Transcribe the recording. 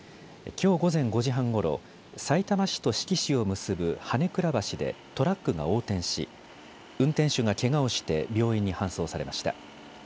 きょう午前５時半ごろ、さいたま市と志木市を結ぶ羽根倉橋でトラックが横転し運転手がけがをして病院に搬送されました。